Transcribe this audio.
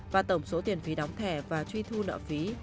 và tổng số tiền phí đóng thẻ và truy thu nợ phí